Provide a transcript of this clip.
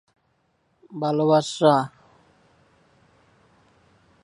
এতে সফরকারী অস্ট্রেলিয়া দলকে লিচেস্টারশায়ার পরাজিত করে।